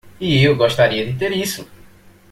E eu gostaria de ter isso!